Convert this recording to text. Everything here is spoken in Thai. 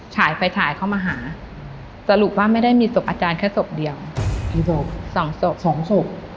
ฉายไปฉายเขามาหาสรุปว่าไม่ได้มีศพอาจารย์แค่ศพเดียว๒ศพ